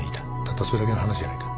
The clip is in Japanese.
たったそれだけの話じゃないか。